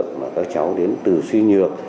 các cháu đến từ suy nhược